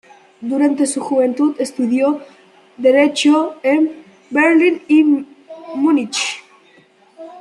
Durante su juventud estudió derecho en Berlín y Múnich.